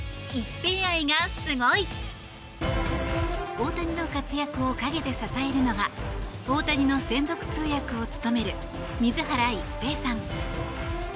大谷の活躍を陰で支えるのが大谷の専属通訳を務める水原一平さん。